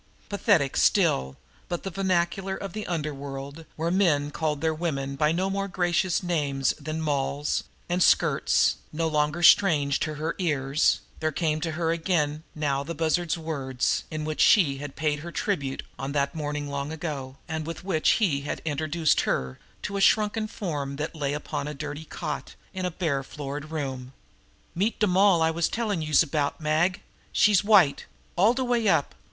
Pathetic still, but the vernacular of the underworld where men called their women by no more gracious names than "molls" and "skirts" no longer strange to her ears, there came to her again now the Bussard's words in which he had paid her tribute on that morning long ago, and with which he had introduced her to a shrunken form that lay upon a dirty cot in the barefloored room: "Meet de moll I was tellin' youse about, Mag. She's white all de way up.